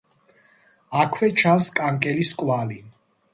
აქვე ჩანს კანკელის კვალი.